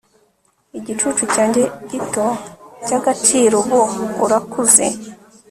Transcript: igicucu cyanjye gito cyagaciro ubu urakuze